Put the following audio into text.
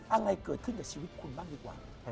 อะไรเกิดขึ้นกับชีวิตคุณบ้างดีกว่า